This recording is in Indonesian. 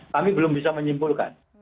kami belum bisa menyimpulkan